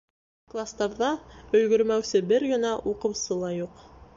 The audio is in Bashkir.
Кластарҙа өлгөрмәүсе бер генә уҡыусы ла юҡ.